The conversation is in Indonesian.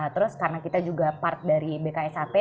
terus karena kita juga part dari bksap